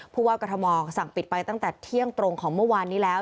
ผู้ว่ากรทมสั่งปิดไปตั้งแต่เที่ยงตรงของเมื่อวานนี้แล้ว